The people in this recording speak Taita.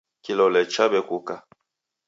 Kilole chaw'ekuka.